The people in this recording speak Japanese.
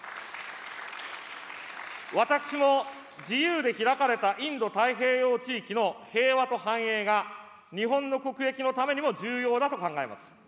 私も自由で開かれたインド太平洋地域の平和と繁栄が、日本の国益のためにも重要だと考えます。